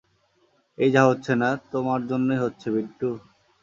এই যা হচ্ছে না, তোমার জন্যই হচ্ছে, বিট্টু।